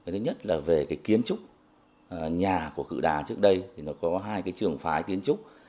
thứ nhất là về cái kiến trúc nhà của khự đà trước đây thì nó có hai cái trường phái kiến trúc